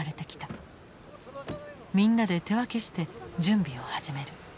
みんなで手分けして準備を始める。